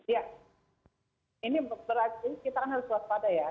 ya ini berarti kita kan harus waspada ya